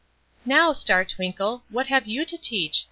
"Now, Star Twinkle, what have you to teach?"